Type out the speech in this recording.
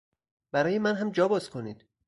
برای من هم جا باز کنید!